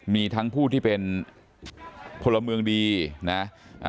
มีทั้งผู้ที่เป็นพลเมืองดีนะอ่า